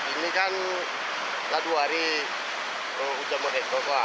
ini kan selama dua hari hujan mati